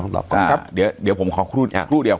เดี๋ยวผมขอครู่เดียว